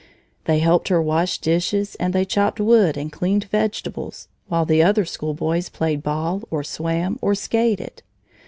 They helped her wash dishes, and they chopped wood and cleaned vegetables, while the other school boys played ball, or swam, or skated.